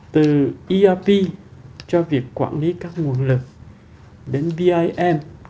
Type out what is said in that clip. từ erp cho việc quản lý các nguồn lực đến vim